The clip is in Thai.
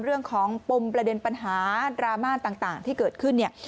เรื่องของปมประเด็นปัญหาดราม่าต่างที่เกิดขึ้น